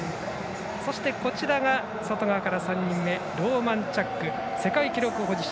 そして、外側から３人目ローマンチャック世界記録保持者。